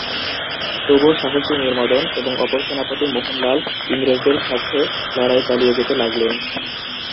তবুও সাহসী মীর মদন এবং অপর সেনাপতি মোহন লাল ইংরেজদের সাথে লড়াই চালিয়ে যেতে লাগলেন।